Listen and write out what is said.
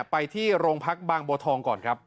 ไปที่โรงพักบางบัวทองก่อนครับ